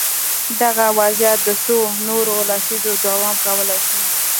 دغه وضعیت د څو نورو لسیزو دوام کولای شي.